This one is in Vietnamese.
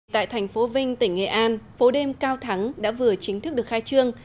tại thành phố vinh tỉnh nghệ an phố đêm cao thắng đã vừa chính thức được khai trương